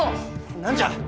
何じゃ。